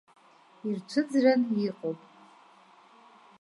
Ирцәыӡран иҟоуп.